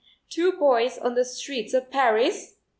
two boys on the streets of Paris!